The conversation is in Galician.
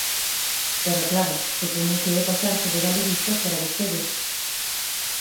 Pero, claro, supoño que é pasarse de galeguistas para vostedes.